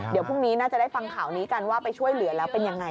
เดี๋ยวพรุ่งนี้น่าจะได้ฟังข่าวนี้กันว่าไปช่วยเหลือแล้วเป็นยังไง